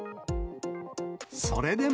それでも、